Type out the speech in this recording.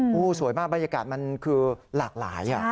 โอ้โหสวยมากบรรยากาศมันคือหลากหลาย